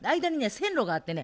線路があってね